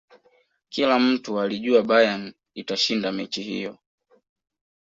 kila mtu alijua bayern itashinda mechi hiyo